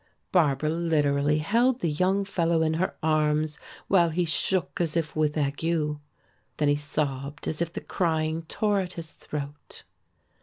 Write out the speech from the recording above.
Barbara literally held the young fellow in her arms while he shook as if with ague. Then he sobbed as if the crying tore at his throat.